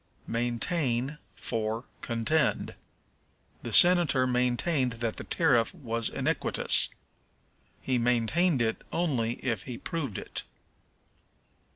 Maintain for Contend. "The senator maintained that the tariff was iniquitous." He maintained it only if he proved it.